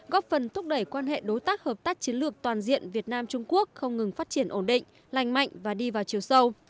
góp phần thúc đẩy quan hệ đối tác hợp tác chiến lược toàn diện việt nam trung quốc không ngừng phát triển ổn định lành mạnh và đi vào chiều sâu